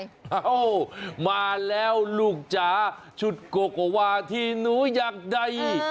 เอ้ามาแล้วลูกจ๋าชุดโกโกวาที่หนูอยากได้